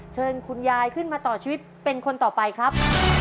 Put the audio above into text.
เชิญคุณยายขึ้นมาต่อชีวิตเป็นคนต่อไปครับ